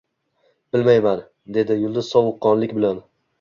Bilmayman, dedi Yulduz sovuqqonlik bilan